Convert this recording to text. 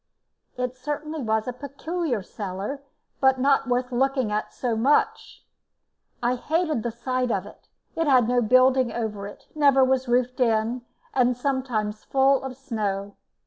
It certainly was a peculiar cellar, but not worth looking at so much. I hated the sight of it. It had no building over it, never was roofed in, and was sometimes full of snow.